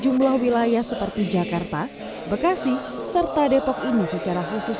jumlah wilayah seperti jakarta bekasi serta depok ini secara khusus